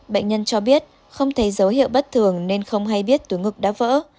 bệnh nhân cho biết không thấy dấu hiệu bất thường nên không hay biết túi ngực đã vỡ